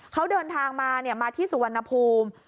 เขาเดินทางมามาที่สุวรรณภูมิ